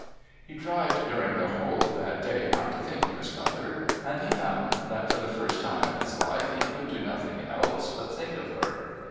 He tried during the whole of that day not to think of his mother, and he found that, for the first time in his life, he could do nothing else but think of her.